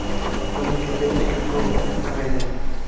Oyim negadir ko‘proq meni avaylaydi.